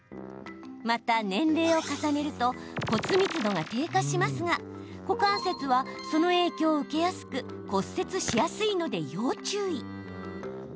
また、年齢を重ねると骨密度が低下しますが股関節はその影響を受けやすく骨折しやすいので要注意。